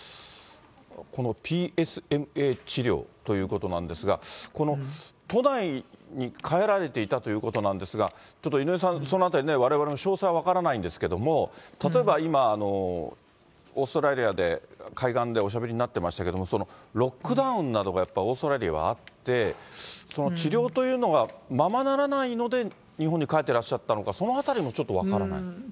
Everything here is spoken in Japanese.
このＰＳＭＡ治療ということなんですが、この都内に帰られていたということなんですが、ちょっと井上さん、そのあたり詳細は分からないんですけれども、例えば、今、オーストラリアで、海岸でおしゃべりになってましたけれども、ロックダウンなどが、オーストラリアはあって、治療というのがままならないので、日本に帰ってらっしゃったのか、そのあたりもちょっと分からない